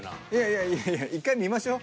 いやいやいや１回見ましょう。